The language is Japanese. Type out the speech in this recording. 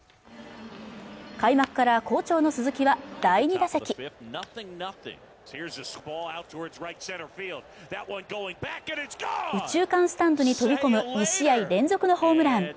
開幕から好調の鈴木は第２打席で右中間スタンドに飛び込む２試合連続のホームラン